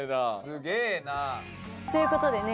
すげぇな。ということでね